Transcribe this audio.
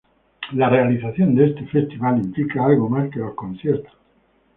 La realización de este festival implica algo más que los conciertos.